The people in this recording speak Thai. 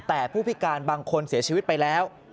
แต่ผู้พิการบางคนเสียชีวิตไปแล้ว